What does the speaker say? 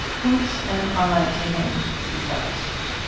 "What am I to him?" she thought.